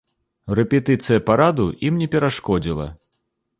Рэпетыцыя параду ім не перашкодзіла.